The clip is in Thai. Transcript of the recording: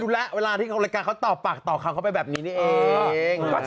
อ่อดูแลเวลาที่โอกาสเราต่อกลาต่อการเข้าไปแบบนี้เอง